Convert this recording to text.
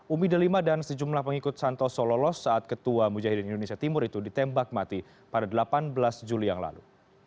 umi delima dan sejumlah pengikut santoso lolos saat ketua mujahidin indonesia timur itu ditembak mati pada delapan belas juli yang lalu